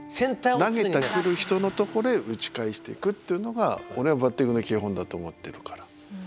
投げてくる人のところへ打ち返していくっていうのが俺はバッティングの基本だと思ってるから。